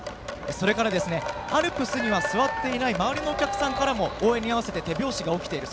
それから、アルプスには座っていない周りのお客さんからも応援に合わせて手拍子が起きている。